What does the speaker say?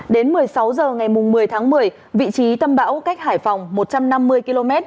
đến một mươi sáu h ngày một mươi tháng một mươi vị trí tâm bão cách hải phòng một trăm năm mươi km